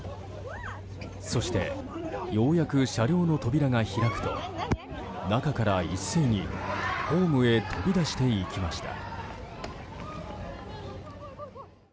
そしてようやく車両の扉が開くと中から一斉にホームへ飛び出していきました。